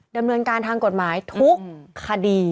ดำเนินการทางกฎหมายทุกคดี